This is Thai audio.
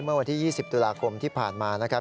เมื่อวันที่๒๐ตุลาคมที่ผ่านมานะครับ